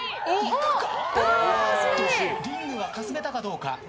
リングをかすめたかどうか。